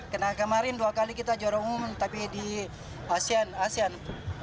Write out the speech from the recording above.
kemarin dua kali kita jara umum tapi di asean